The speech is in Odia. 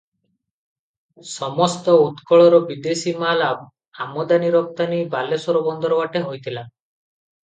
ସମସ୍ତ ଉତ୍କଳର ବିଦେଶୀ ମାଲ ଆମଦାନି ରପ୍ତାନି ବାଲେଶ୍ୱର ବନ୍ଦର ବାଟେ ହେଉଥିଲା ।